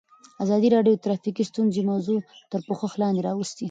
ازادي راډیو د ټرافیکي ستونزې موضوع تر پوښښ لاندې راوستې.